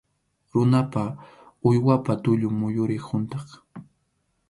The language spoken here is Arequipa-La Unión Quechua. Runapa, uywapa tullun muyuriq huntʼaq.